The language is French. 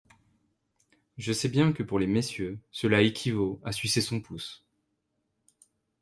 Je sais bien que pour les messieurs, cela équivaut à sucer son pouce.